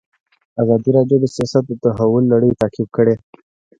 ازادي راډیو د سیاست د تحول لړۍ تعقیب کړې.